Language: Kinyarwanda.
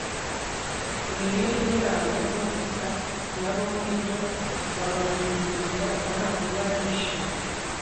imibereho yabo no gusa na bo muri byose, babahindukira abanzi n'abishi